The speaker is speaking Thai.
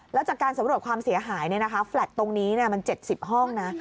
แล้วจากการสำรวจความเสียหายแฟลต์ตรงนี้มัน๗๐ห้องนะ